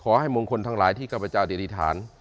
ขอให้มงคลทั้งหลายที่กับพระเจ้าที่อธิษฐาน